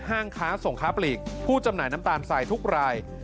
ค้าส่งค้าปลีกผู้จำหน่ายน้ำตาลทรายทุกราย